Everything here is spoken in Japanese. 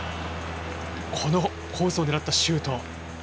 このコースを狙ったシュートを。